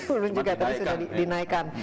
belum juga tapi sudah dinaikkan